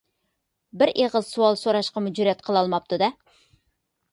بىر ئېغىز سوئال سوراشقىمۇ جۈرئەت قىلالماپتۇ-دە.